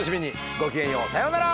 ごきげんようさようなら！